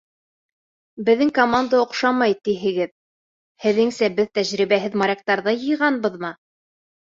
Беҙҙең команда оҡшамай, тиһегеҙ. һеҙҙеңсә, беҙ тәжрибәһеҙ моряктарҙы йыйғанбыҙмы?